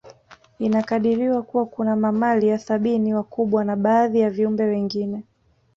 Inakadiriwa Kuwa kuna mamalia sabini wakubwa na baadhi ya viumbe wengine